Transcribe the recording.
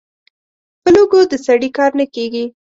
په لږو د سړي کار نه کېږي.